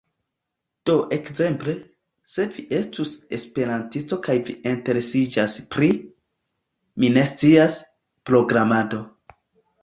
Do ekzemple, se vi estus esperantisto kaj vi interesiĝas pri, mi ne scias, programado